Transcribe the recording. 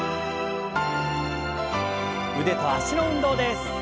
腕と脚の運動です。